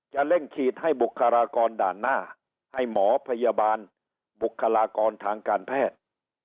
เร่งฉีดให้บุคลากรด่านหน้าให้หมอพยาบาลบุคลากรทางการแพทย์